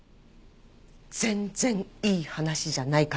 全然いい話じゃないから。